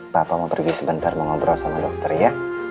bapak mau pergi sebentar mau ngobrol sama dokter ya